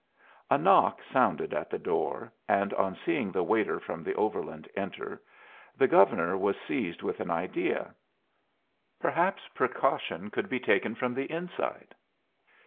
A knock sounded at the door, and on seeing the waiter from the Overland enter, the Governor was seized with an idea. Perhaps precaution could be taken from the inside.